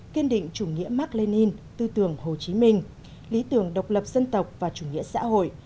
kiên định chủ nghĩa mạc lê ninh tư tưởng hồ chí minh lý tưởng độc lập dân tộc và chủ nghĩa xã hội